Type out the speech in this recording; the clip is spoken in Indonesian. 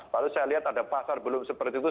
lalu saya lihat ada pasar belum seperti itu